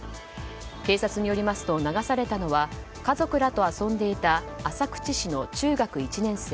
警察によりますと流されたのは家族らと遊んでいた浅口市の中学１年生